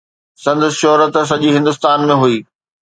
سندس شهرت سڄي هندستان ۾ هئي.